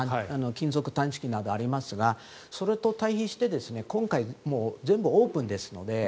金属探知機などありますがそれと対比して今回、全部オープンですので。